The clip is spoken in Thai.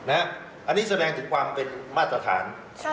อันนี้แสดงถึงความเป็นมาตรฐาน